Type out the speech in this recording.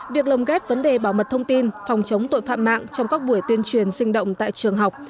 việc lồng ghép vấn đề bảo mật thông tin phòng chống tội phạm mạng trong các buổi tuyên truyền sinh động tại trường học